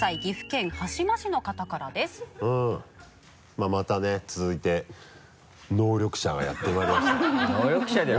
まぁまたね続いて能力者がやってまいりましたよ。